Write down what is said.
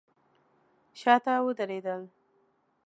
شاته ودرېدل.